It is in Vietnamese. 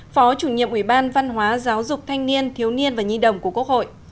phó chủ nhiệm ủy ban văn hóa giáo dục thanh niên thiếu niên và nhi đồng của quốc hội